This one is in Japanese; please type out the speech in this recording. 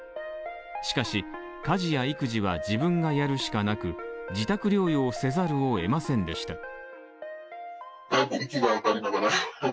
しかし、家事や育児は自分がやるしかなく、自宅療養せざるを得ませんでした。